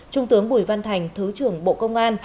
trung tướng bùi văn thành thứ trưởng bộ công an